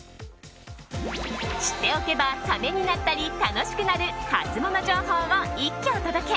知っておけばためになったり楽しくなるハツモノ情報を一挙お届け！